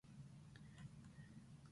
このまま僕は